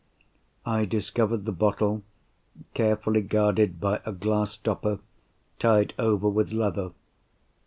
I discovered the bottle, carefully guarded by a glass stopper tied over with leather.